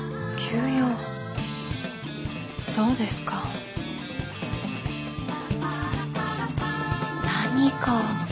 そうですか。何か？